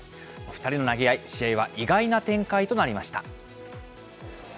２人の投げ合い、試合は意外な展開となりました。